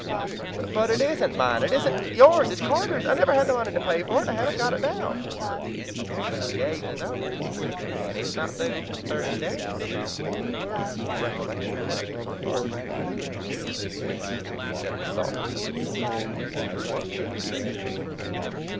"But it isn't MINE! It isn't YOURS! It's Carter's. I never had the money to pay for it and I haven't got it now." "But you gave the note and it is not due for thirty days." A recollection flashed upon Barker. "Yes," he said with thoughtful simplicity, "that's what Kitty said."